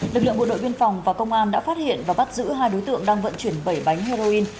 lực lượng bộ đội biên phòng và công an đã phát hiện và bắt giữ hai đối tượng đang vận chuyển bảy bánh heroin